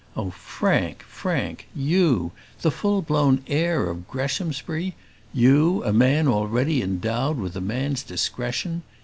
Oh, Frank! Frank! you, the full blown heir of Greshamsbury? You, a man already endowed with a man's discretion?